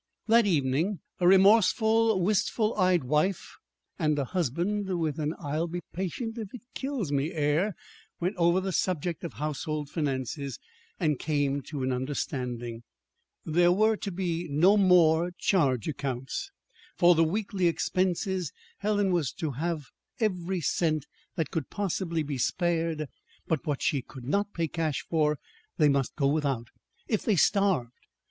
That evening a remorseful, wistful eyed wife and a husband with an "I'll be patient if it kills me" air went over the subject of household finances, and came to an understanding. There were to be no more charge accounts. For the weekly expenses Helen was to have every cent that could possibly be spared; but what she could not pay cash for, they must go without, if they starved.